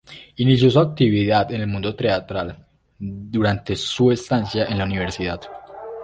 Inició su actividad en el mundo teatral durante su estancia en la Universidad.